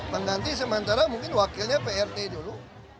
pengganti sementara mungkin wakilnya prt dulu